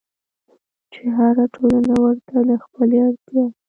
چې هره ټولنه ورته د خپلې اړتيا